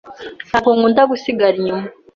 Ntabwo nkunda gusigara inyuma